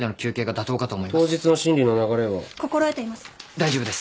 大丈夫です。